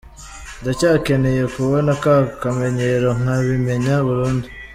ndacyakeneye kubona ka kamenyero nkabimenya burundu.